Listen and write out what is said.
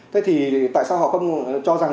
thế thì tại sao họ không cho rằng